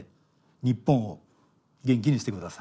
日本を元気にして下さい。